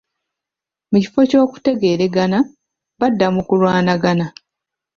Mu kifo ky'okutegeeregana, badda mu kulwanagana.